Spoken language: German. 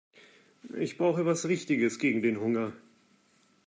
Ich brauche was Richtiges gegen den Hunger.